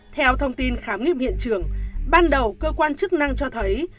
theo thông tin khám nghiệm hiện trường ban đầu cơ quan chức năng cho thấy